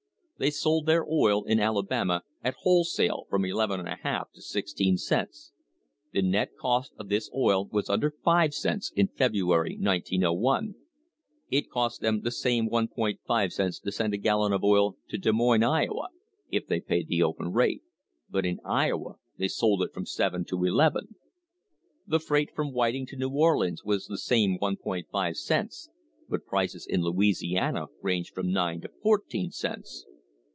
They sold their oil in Alabama at wholesale from n l /2 to 16 cents. The net cost of this oil was under five cents in February, 1901. It cost them the same 1.5 cents to send a gallon of oil to Des Moines, Iowa (if they paid the open rate), but in Iowa they sold it from 7 to n. The freight from Whiting to New Orleans was the same 1.5 cents, but prices in Louisiana ranged from 9 to 14 cents.